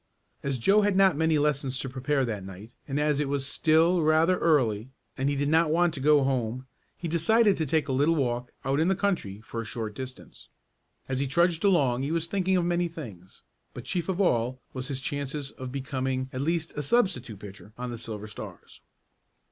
As Joe had not many lessons to prepare that night, and as it was still rather early and he did not want to go home, he decided to take a little walk out in the country for a short distance. As he trudged along he was thinking of many things, but chief of all was his chances for becoming at least a substitute pitcher on the Silver Stars.